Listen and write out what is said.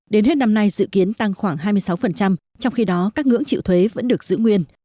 đến hết năm nay dự kiến tăng khoảng hai mươi sáu trong khi đó các ngưỡng chịu thuế vẫn được giữ nguyên